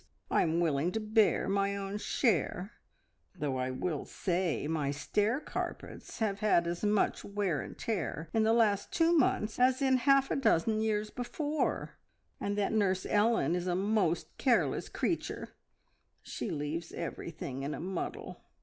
I am willing to bear my own share, though I will say my stair carpets have had as much wear and tear in the last two months as in half a dozen years before, and that Nurse Ellen is a most careless creature, she leaves everything in a muddle!